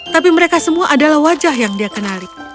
tapi mereka semua adalah wajah yang dia kenali